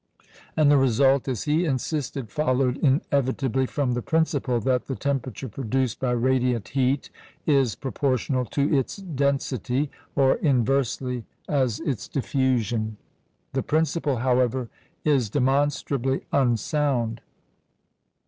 And the result, as he insisted, followed inevitably from the principle that the temperature produced by radiant heat is proportional to its density, or inversely as its diffusion. The principle, however, is demonstrably unsound.